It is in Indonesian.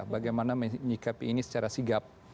bagaimana menyikapi ini secara sigap